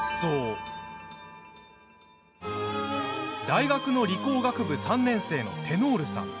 大学の理工学部３年生のテノールさん。